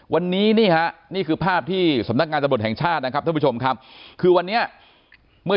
วันนี้นี้ครับนี่คือภาพที่สำนักงานตำรวจแห่งชาตินะครับเพื่อว่าช่วงบ่ายที่ผ่านมา